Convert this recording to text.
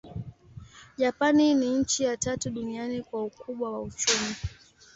Japani ni nchi ya tatu duniani kwa ukubwa wa uchumi.